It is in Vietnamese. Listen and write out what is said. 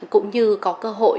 cũng như có cơ hội